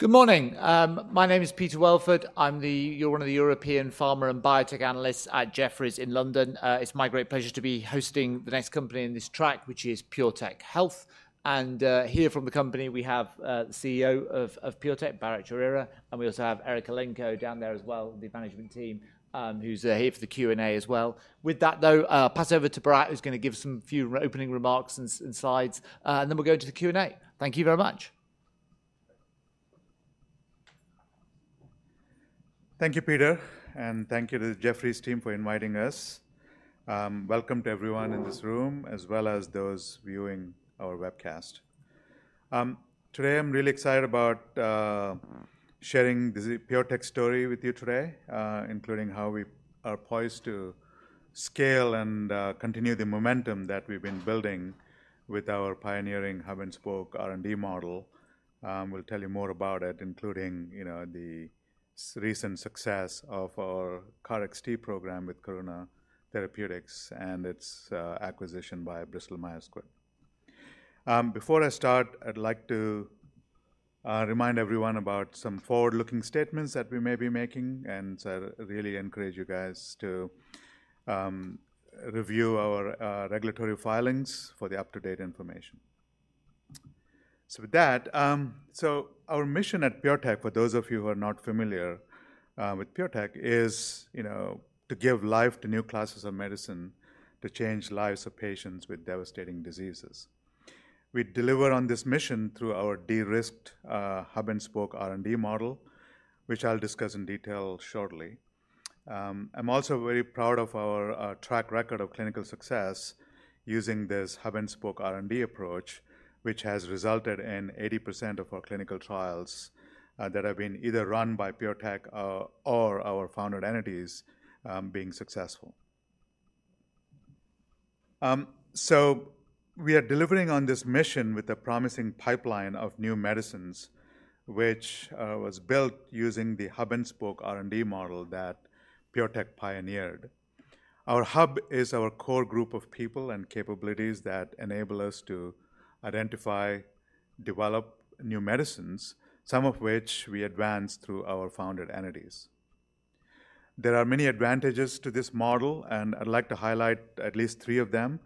Good morning. My name is Peter Welford. I'm one of the European pharma and biotech analysts at Jefferies in London. It's my great pleasure to be hosting the next company in this track, which is PureTech Health. Here from the company, we have the CEO of PureTech, Bharatt Chowrira, and we also have Eric Elenko down there as well, of the management team, who's here for the Q&A as well. With that, though, pass over to Bharatt, who's going to give some few opening remarks and slides, and then we'll go to the Q&A. Thank you very much. Thank you, Peter, and thank you to the Jefferies team for inviting us. Welcome to everyone in this room, as well as those viewing our webcast. Today I'm really excited about sharing the PureTech story with you today, including how we are poised to scale and continue the momentum that we've been building with our pioneering hub-and-spoke R&D model. We'll tell you more about it, including, you know, the recent success of our KarXT program with Karuna Therapeutics and its acquisition by Bristol Myers Squibb. Before I start, I'd like to remind everyone about some forward-looking statements that we may be making, and so I really encourage you guys to review our regulatory filings for the up-to-date information. So with that, our mission at PureTech, for those of you who are not familiar with PureTech, is, you know, to give life to new classes of medicine, to change lives of patients with devastating diseases. We deliver on this mission through our de-risked hub-and-spoke R&D model, which I'll discuss in detail shortly. I'm also very proud of our track record of clinical success using this hub-and-spoke R&D approach, which has resulted in 80% of our clinical trials that have been either run by PureTech or our founded entities being successful. So we are delivering on this mission with a promising pipeline of new medicines, which was built using the hub-and-spoke R&D model that PureTech pioneered. Our hub is our core group of people and capabilities that enable us to identify, develop new medicines, some of which we advance through our founded entities. There are many advantages to this model, and I'd like to highlight at least three of them.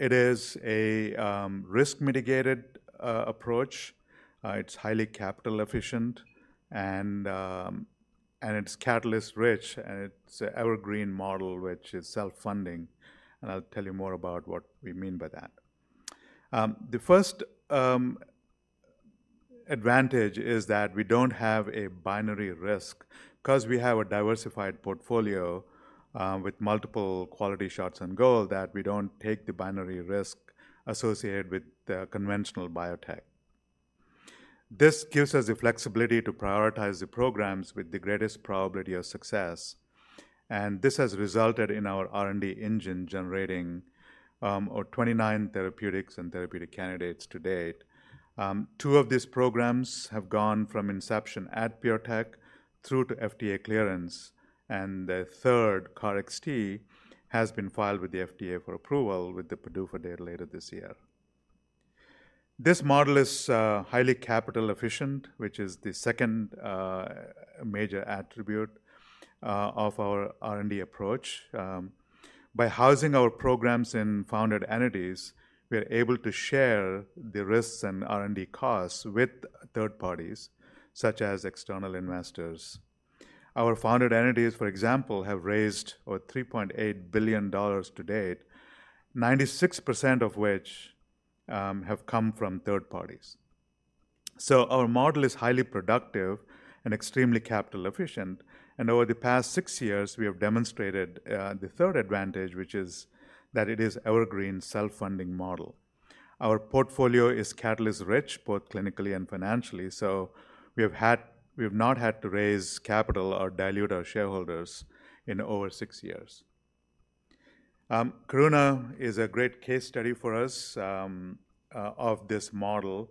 It is a risk-mitigated approach. It's highly capital efficient, and it's catalyst rich, and it's an evergreen model, which is self-funding, and I'll tell you more about what we mean by that. The first advantage is that we don't have a binary risk. 'Cause we have a diversified portfolio with multiple quality shots on goal, that we don't take the binary risk associated with the conventional biotech. This gives us the flexibility to prioritize the programs with the greatest probability of success, and this has resulted in our R&D engine generating 29 therapeutics and therapeutic candidates to date. Two of these programs have gone from inception at PureTech through to FDA clearance, and the third, KarXT, has been filed with the FDA for approval, with the PDUFA date later this year. This model is highly capital efficient, which is the second major attribute of our R&D approach. By housing our programs in founded entities, we are able to share the risks and R&D costs with third parties, such as external investors. Our founded entities, for example, have raised over $3.8 billion to date, 96% of which have come from third parties. So our model is highly productive and extremely capital efficient, and over the past six years, we have demonstrated the third advantage, which is that it is evergreen self-funding model. Our portfolio is catalyst rich, both clinically and financially, so we have not had to raise capital or dilute our shareholders in over six years. Karuna is a great case study for us of this model,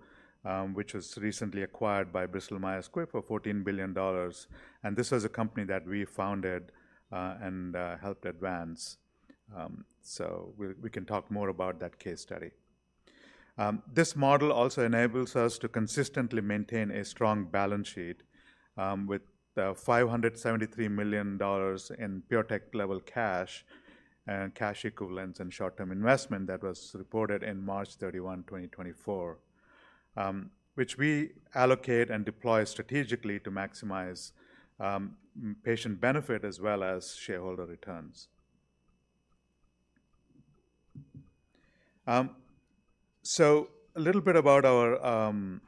which was recently acquired by Bristol Myers Squibb for $14 billion, and this was a company that we founded and helped advance. So we can talk more about that case study. This model also enables us to consistently maintain a strong balance sheet with the $573 million in PureTech level cash and cash equivalents and short-term investment that was reported in March 31, 2024. Which we allocate and deploy strategically to maximize patient benefit as well as shareholder returns. So a little bit about our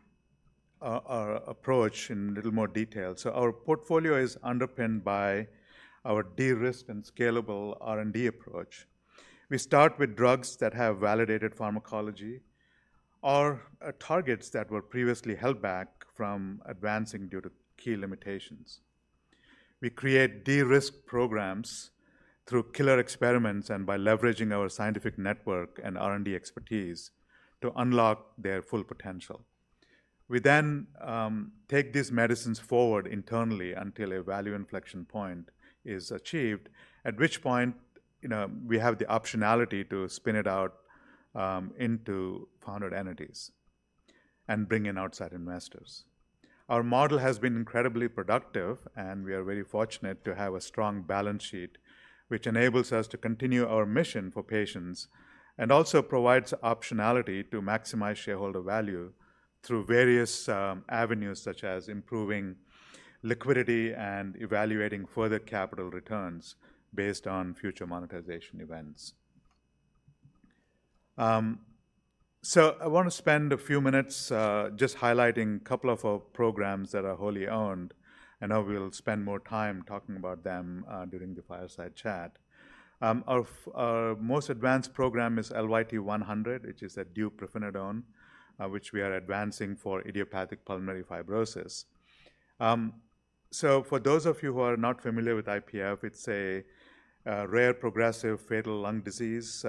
approach in a little more detail. So our portfolio is underpinned by our de-risked and scalable R&D approach. We start with drugs that have validated pharmacology or targets that were previously held back from advancing due to key limitations. We create de-risk programs through killer experiments and by leveraging our scientific network and R&D expertise to unlock their full potential. We then take these medicines forward internally until a value inflection point is achieved, at which point, you know, we have the optionality to spin it out into funded entities and bring in outside investors. Our model has been incredibly productive, and we are very fortunate to have a strong balance sheet, which enables us to continue our mission for patients and also provides optionality to maximize shareholder value through various avenues, such as improving liquidity and evaluating further capital returns based on future monetization events. So I want to spend a few minutes just highlighting a couple of our programs that are wholly owned, and I will spend more time talking about them during the fireside chat. Our most advanced program is LYT-100, which is a deupirfenidone, which we are advancing for idiopathic pulmonary fibrosis. So for those of you who are not familiar with IPF, it's a rare, progressive, fatal lung disease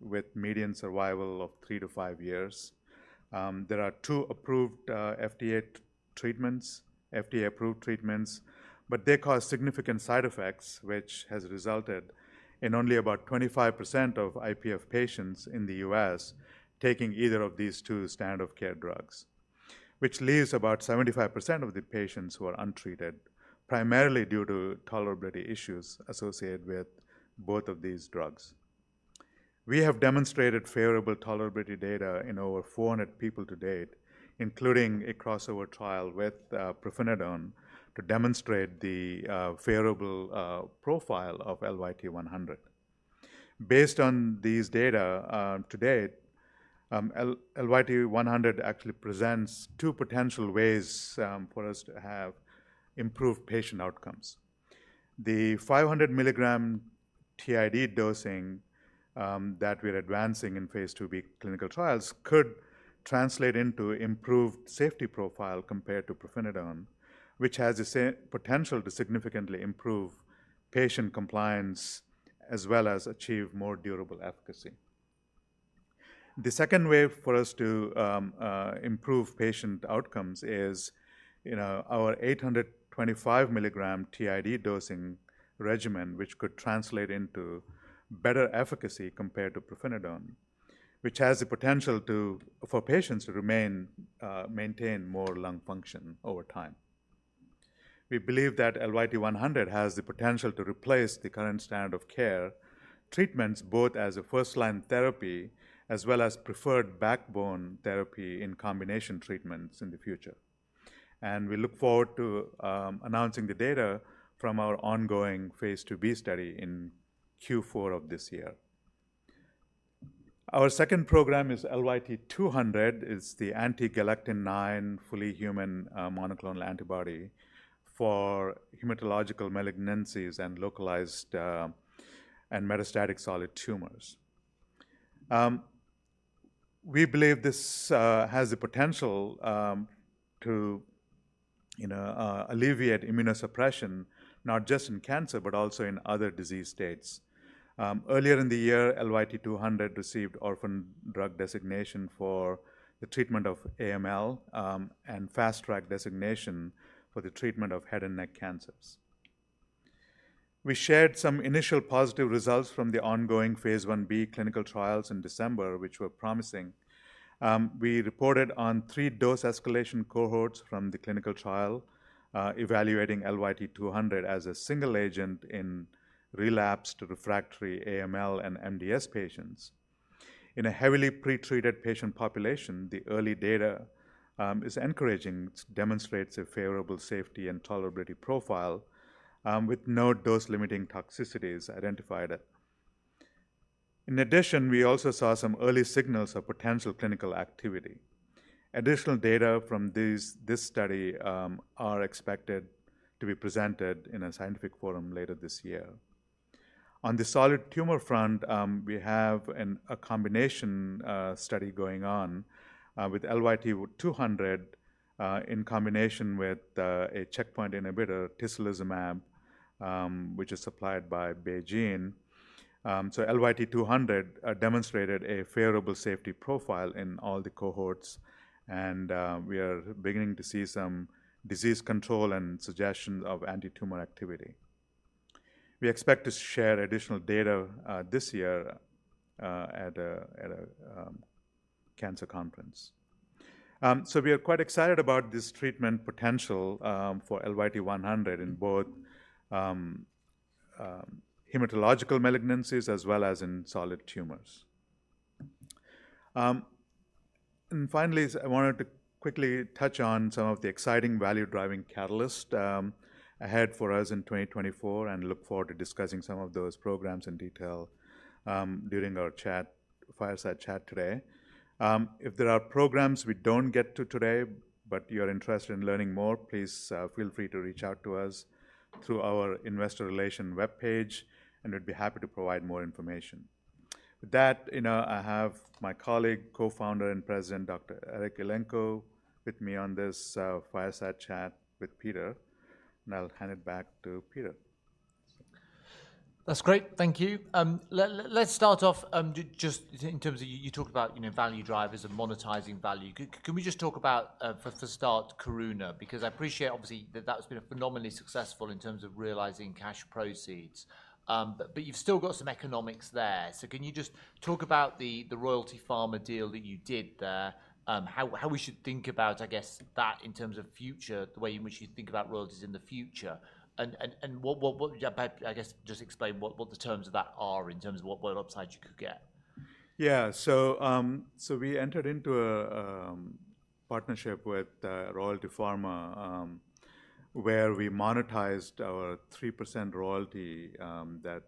with median survival of 3-5 years. There are two approved, FDA treatments, FDA-approved treatments, but they cause significant side effects, which has resulted in only about 25% of IPF patients in the U.S. taking either of these two standard care drugs. Which leaves about 75% of the patients who are untreated, primarily due to tolerability issues associated with both of these drugs. We have demonstrated favorable tolerability data in over 400 people to date, including a crossover trial with pirfenidone to demonstrate the favorable profile of LYT-100. Based on these data, to date, LYT-100 actually presents two potential ways for us to have improved patient outcomes. The 500 mg TID dosing that we're advancing in phase IIb clinical trials could translate into improved safety profile compared to pirfenidone, which has the same potential to significantly improve patient compliance, as well as achieve more durable efficacy. The second way for us to improve patient outcomes is, you know, our 825 mg TID dosing regimen, which could translate into better efficacy compared to pirfenidone, which has the potential for patients to remain, maintain more lung function over time. We believe that LYT-100 has the potential to replace the current standard of care treatments, both as a first-line therapy, as well as preferred backbone therapy in combination treatments in the future. And we look forward to announcing the data from our ongoing phase IIb study in Q4 of this year. Our second program is LYT-200. It's the anti-galectin-9, fully human, monoclonal antibody for hematological malignancies and localized, and metastatic solid tumors. We believe this has the potential, to, you know, alleviate immunosuppression, not just in cancer, but also in other disease states. Earlier in the year, LYT-200 received Orphan Drug Designation for the treatment of AML, and Fast Track designation for the treatment of head and neck cancers. We shared some initial positive results from the ongoing phase Ib clinical trials in December, which were promising. We reported on three dose escalation cohorts from the clinical trial, evaluating LYT-200 as a single agent in relapsed to refractory AML and MDS patients. In a heavily pretreated patient population, the early data is encouraging. It demonstrates a favorable safety and tolerability profile, with no dose-limiting toxicities identified. In addition, we also saw some early signals of potential clinical activity. Additional data from this study are expected to be presented in a scientific forum later this year. On the solid tumor front, we have a combination study going on with LYT-200 in combination with a checkpoint inhibitor, tislelizumab, which is supplied by BeiGene. So LYT-200 demonstrated a favorable safety profile in all the cohorts, and we are beginning to see some disease control and suggestions of antitumor activity. We expect to share additional data this year at a cancer conference. So we are quite excited about this treatment potential for LYT-200 in both hematological malignancies as well as in solid tumors. And finally, I wanted to quickly touch on some of the exciting value-driving catalyst ahead for us in 2024 and look forward to discussing some of those programs in detail during our chat, fireside chat today. If there are programs we don't get to today, but you're interested in learning more, please feel free to reach out to us through our investor relations webpage, and we'd be happy to provide more information. With that, you know, I have my colleague, co-founder, and president, Dr. Eric Elenko, with me on this fireside chat with Peter, and I'll hand it back to Peter. That's great. Thank you. Let's start off just in terms of. You talked about, you know, value drivers and monetizing value. Can we just talk about, for starters, Karuna? Because I appreciate obviously that that's been phenomenally successful in terms of realizing cash proceeds. But you've still got some economics there. So can you just talk about the Royalty Pharma deal that you did there, how we should think about, I guess, that in terms of future, the way in which you think about royalties in the future? And what, perhaps, I guess, just explain what the terms of that are in terms of what upside you could get. Yeah. So we entered into a partnership with Royalty Pharma, where we monetized our 3% royalty that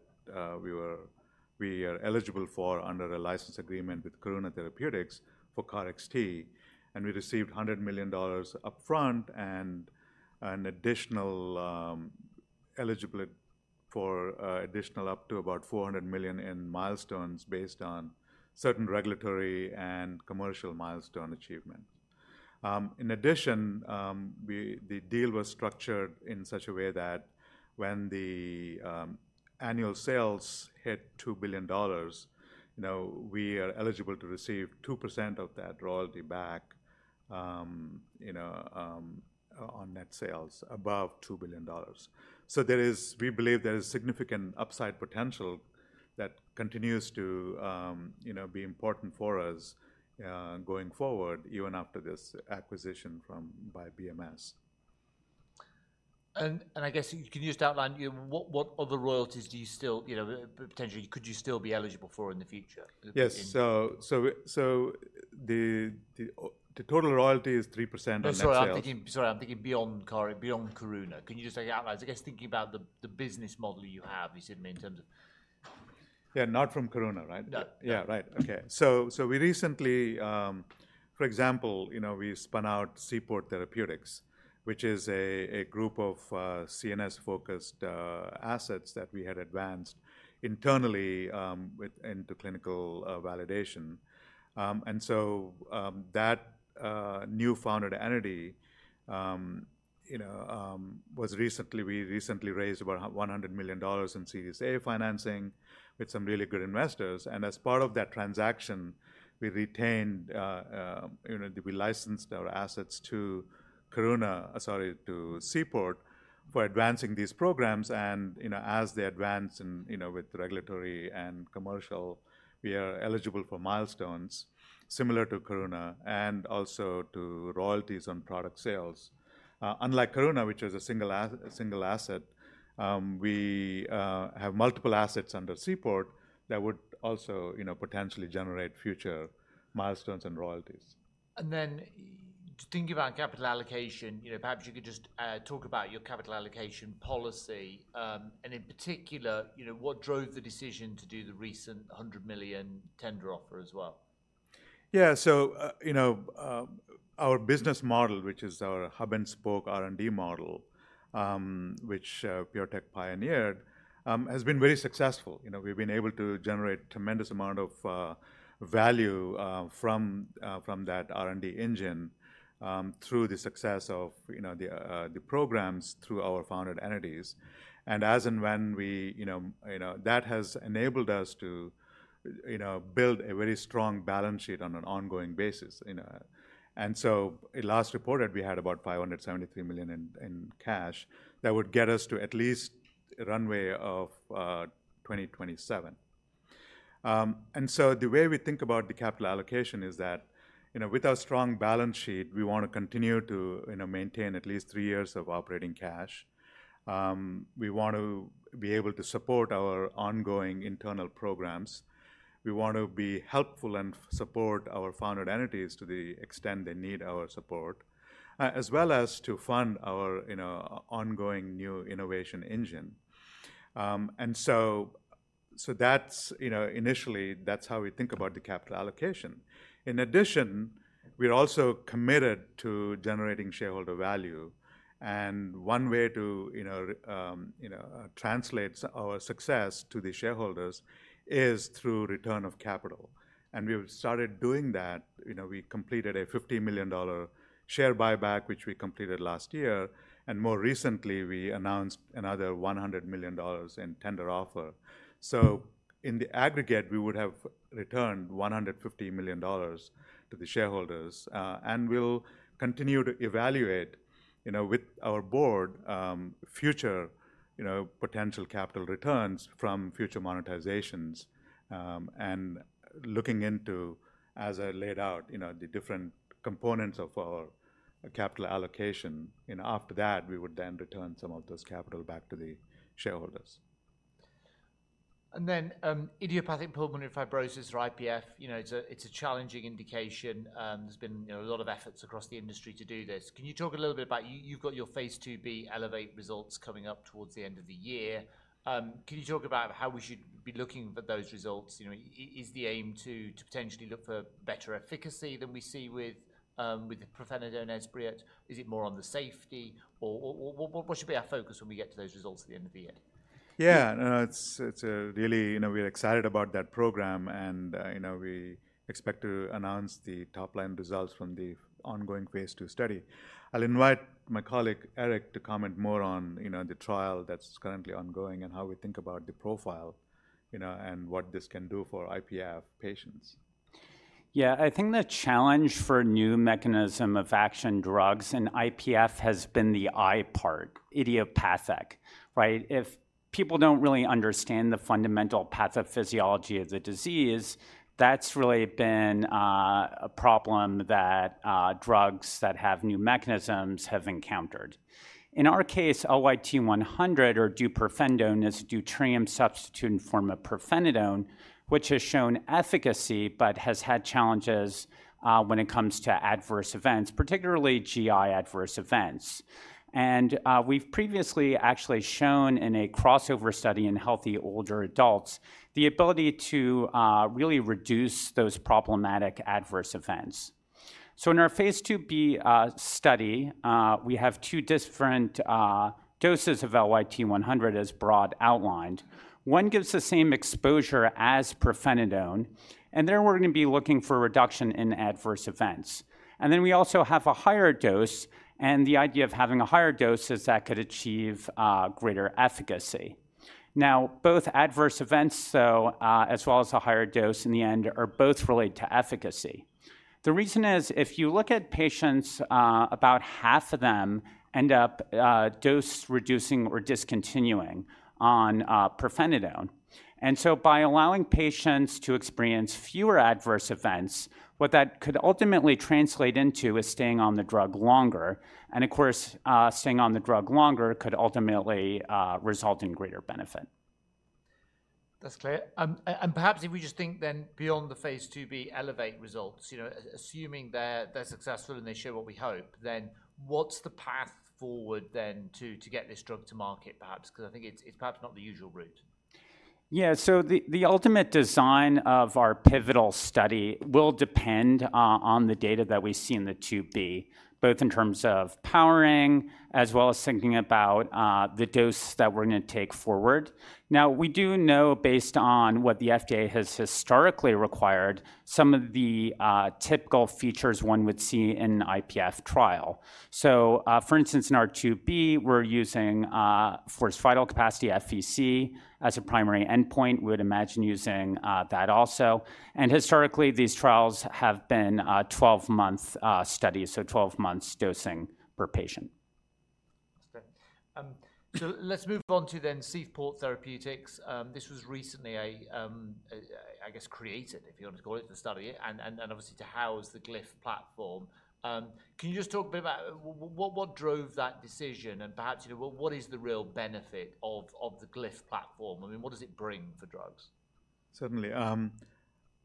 we are eligible for under a license agreement with Karuna Therapeutics for KarXT, and we received $100 million upfront and an additional eligible for additional up to about $400 million in milestones based on certain regulatory and commercial milestone achievement. In addition, the deal was structured in such a way that when the annual sales hit $2 billion, you know, we are eligible to receive 2% of that royalty back, you know, on net sales above $2 billion. So we believe there is significant upside potential that continues to, you know, be important for us going forward, even after this acquisition by BMS. And I guess can you just outline, you know, what other royalties do you still, you know, potentially could you still be eligible for in the future? Yes. So, the total royalty is 3% on net sales. Oh, sorry, I'm thinking. Sorry, I'm thinking beyond KarXT, beyond Karuna. Can you just outline, I guess, thinking about the, the business model you have, you said, in terms of. Yeah, not from Karuna, right? No. Yeah, right. Okay. So, so we recently, for example, you know, we spun out Seaport Therapeutics, which is a group of CNS-focused assets that we had advanced internally with into clinical validation. And so, that new founded entity, you know, was recently. We recently raised about $100 million in Series A financing with some really good investors, and as part of that transaction, we retained, you know, we licensed our assets to Karuna, sorry, to Seaport, for advancing these programs. And, you know, as they advance and, you know, with regulatory and commercial, we are eligible for milestones similar to Karuna and also to royalties on product sales. Unlike Karuna, which is a single asset, we have multiple assets under Seaport that would also, you know, potentially generate future milestones and royalties. And then thinking about capital allocation, you know, perhaps you could just talk about your capital allocation policy. And in particular, you know, what drove the decision to do the recent 100 million tender offer as well? Yeah. So, you know, our business model, which is our Hub-and-Spoke R&D model, which biotech pioneered, has been very successful. You know, we've been able to generate tremendous amount of value from that R&D engine through the success of, you know, the programs through our founded entities. And as and when we, you know, that has enabled us to, you know, build a very strong balance sheet on an ongoing basis, you know. And so, at last reported, we had about $573 million in cash that would get us to at least a runway of 2027. And so the way we think about the capital allocation is that, you know, with our strong balance sheet, we want to continue to, you know, maintain at least three years of operating cash. We want to be able to support our ongoing internal programs. We want to be helpful and support our founded entities to the extent they need our support, as well as to fund our, you know, ongoing new innovation engine. And so that's, you know, initially, that's how we think about the capital allocation. In addition, we're also committed to generating shareholder value, and one way to, you know, you know, translate our success to the shareholders is through return of capital. And we've started doing that. You know, we completed a $50 million share buyback, which we completed last year, and more recently, we announced another $100 million in tender offer. So in the aggregate, we would have returned $150 million to the shareholders, and we'll continue to evaluate, you know, with our Board, future, you know, potential capital returns from future monetizations. And looking into, as I laid out, you know, the different components of our capital allocation, you know, after that, we would then return some of those capital back to the shareholders. And then, idiopathic pulmonary fibrosis, or IPF, you know, it's a, it's a challenging indication. There's been, you know, a lot of efforts across the industry to do this. Can you talk a little bit about. You've got your phase IIb ELEVATE results coming up towards the end of the year. Can you talk about how we should be looking at those results? You know, is the aim to potentially look for better efficacy than we see with pirfenidone and Esbriet? Is it more on the safety, or what should be our focus when we get to those results at the end of the year? Yeah, it's a really. You know, we're excited about that program, and, you know, we expect to announce the top-line results from the ongoing phase II study. I'll invite my colleague, Eric, to comment more on, you know, the trial that's currently ongoing and how we think about the profile, you know, and what this can do for IPF patients. Yeah, I think the challenge for new mechanism of action drugs in IPF has been the I part, idiopathic, right? If people don't really understand the fundamental pathophysiology of the disease, that's really been a problem that drugs that have new mechanisms have encountered. In our case, LYT-100 or deupirfenidone is deuterium-substituted form of pirfenidone, which has shown efficacy but has had challenges when it comes to adverse events, particularly GI adverse events. And we've previously actually shown in a crossover study in healthy older adults, the ability to really reduce those problematic adverse events. So in our phase IIb study, we have two different doses of LYT-100 as Bharatt outlined. One gives the same exposure as pirfenidone, and there we're gonna be looking for a reduction in adverse events. And then we also have a higher dose, and the idea of having a higher dose is that could achieve greater efficacy. Now, both adverse events, so, as well as a higher dose in the end, are both related to efficacy. The reason is, if you look at patients, about half of them end up dose-reducing or discontinuing on pirfenidone. And so by allowing patients to experience fewer adverse events, what that could ultimately translate into is staying on the drug longer, and of course, staying on the drug longer could ultimately result in greater benefit. That's clear. And perhaps if we just think then beyond the Phase IIb ELEVATE results, you know, assuming they're successful, and they show what we hope, then what's the path forward then to get this drug to market, perhaps? 'Cause I think it's perhaps not the usual route. Yeah, so the ultimate design of our pivotal study will depend on the data that we see in the IIb, both in terms of powering as well as thinking about the dose that we're gonna take forward. Now, we do know, based on what the FDA has historically required, some of the typical features one would see in an IPF trial. So, for instance, in our IIb, we're using forced vital capacity, FVC, as a primary endpoint. We'd imagine using that also, and historically, these trials have been 12-month studies, so 12 months dosing per patient. Okay. So let's move on to then Seaport Therapeutics. This was recently, I guess, created, if you want to call it, the entity, and obviously to house the Glyph platform. Can you just talk a bit about what drove that decision, and perhaps, you know, what is the real benefit of the Glyph platform? I mean, what does it bring for drugs? Certainly.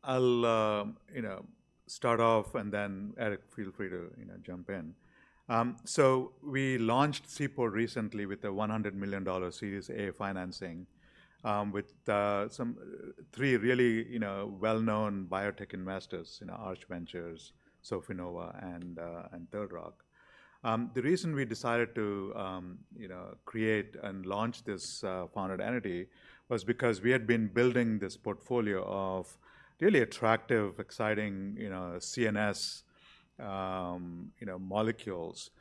I'll, you know, start off, and then Eric, feel free to, you know, jump in. So we launched Seaport recently with a $100 million Series A financing, with some three really, you know, well-known biotech investors, you know, ARCH Ventures, Sofinnova, and Third Rock. The reason we decided to, you know, create and launch this founded entity was because we had been building this portfolio of really attractive, exciting, you know, CNS, you know, molecules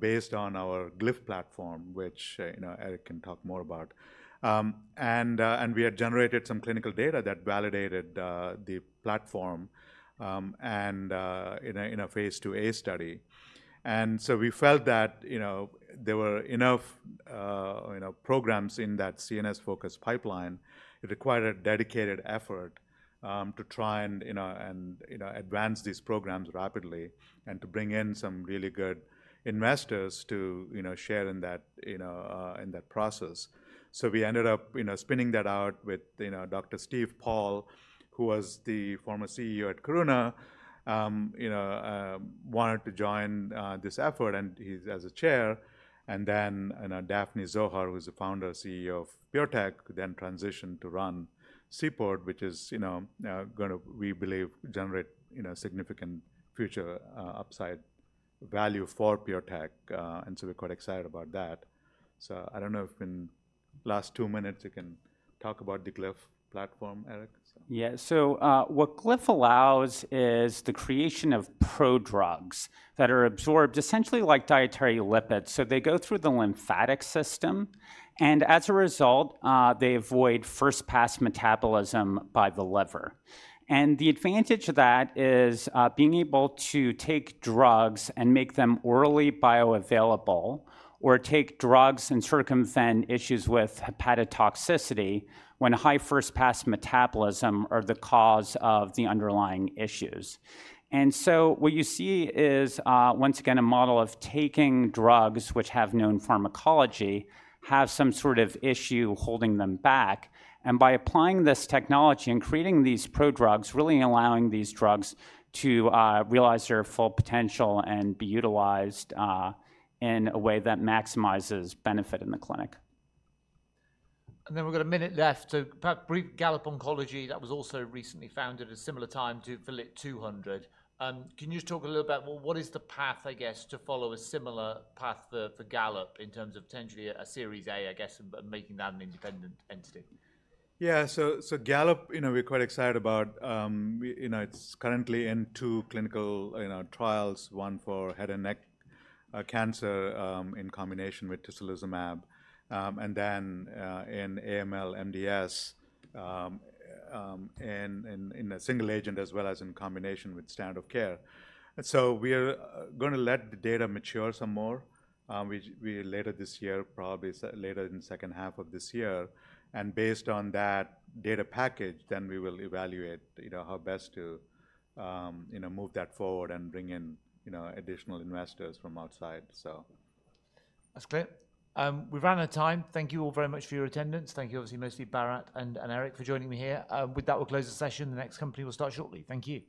based on our Glyph platform, which, you know, Eric can talk more about. And we had generated some clinical data that validated the platform, and in a phase IIa study. We felt that, you know, there were enough, you know, programs in that CNS-focused pipeline; it required a dedicated effort to try and, you know, advance these programs rapidly and to bring in some really good investors to, you know, share in that, you know, in that process. We ended up, you know, spinning that out with, you know, Dr. Steven Paul, who was the former CEO at Karuna, you know, wanted to join this effort, and he's the Chair, and then Daphne Zohar, who is the Founder and CEO of PureTech, then transitioned to run Seaport, which is, you know, gonna, we believe, generate, you know, significant future upside value for PureTech, and so we're quite excited about that. I don't know if in last 2 minutes you can talk about the Glyph platform, Eric? Yeah. So, what Glyph allows is the creation of prodrugs that are absorbed essentially like dietary lipids. So they go through the lymphatic system, and as a result, they avoid first-pass metabolism by the liver. And the advantage of that is, being able to take drugs and make them orally bioavailable or take drugs and circumvent issues with hepatotoxicity when high first-pass metabolism are the cause of the underlying issues. And so what you see is, once again, a model of taking drugs which have known pharmacology, have some sort of issue holding them back, and by applying this technology and creating these prodrugs, really allowing these drugs to, realize their full potential and be utilized, in a way that maximizes benefit in the clinic. And then we've got a minute left, so perhaps brief Gallop Oncology. That was also recently founded a similar time to LYT-200. Can you just talk a little about what is the path, I guess, to follow a similar path for Gallop in terms of potentially a Series A, I guess, and making that an independent entity? Yeah. So Gallop, you know, we're quite excited about. You know, it's currently in two clinical trials, one for head and neck cancer, in combination with tislelizumab, and then in AML, MDS, in a single agent as well as in combination with standard of care. And so we're gonna let the data mature some more, which we later this year, probably later in the second half of this year, and based on that data package, then we will evaluate, you know, how best to move that forward and bring in, you know, additional investors from outside, so. That's clear. We've run out of time. Thank you all very much for your attendance. Thank you, obviously, mostly Bharatt and Eric, for joining me here. With that, we'll close the session. The next company will start shortly. Thank you.